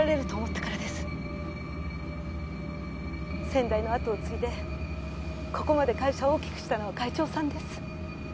先代の後を継いでここまで会社を大きくしたのは会長さんです。